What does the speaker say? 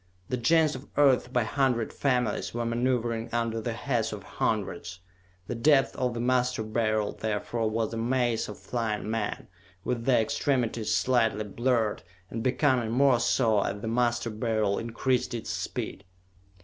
The Gens of Earth, by hundred families, were maneuvering under the Heads of Hundreds. The depths of the Master Beryl, therefore, was a maze of flying men, with their extremities slightly blurred, and becoming more so as the Master Beryl increased its speed.